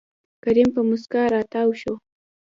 کريم په موسکا راتاو شو.